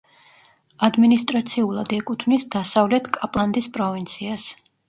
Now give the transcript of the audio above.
ადმინისტრაციულად ეკუთვნის დასავლეთ კაპლანდის პროვინციას.